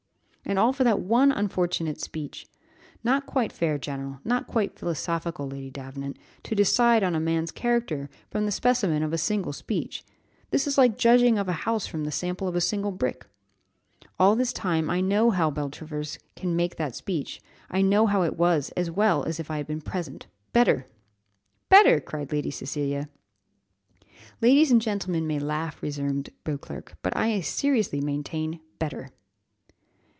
And all for that one unfortunate speech Not quite fair, general, not quite philosophical, Lady Davenant, to decide on a man's character from the specimen of a single speech: this is like judging of a house from the sample of a single brick. All this time I know how Beltravers came to make that speech I know how it was, as well as if I had been present better!" "Better!" cried Lady Cecilia. "Ladies and gentlemen may laugh," resumed Beauclerc, "but I seriously maintain better!"